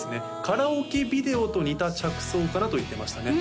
カラオケビデオと似た着想かなと言ってましたね